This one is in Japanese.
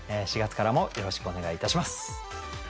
４月からもよろしくお願いいたします。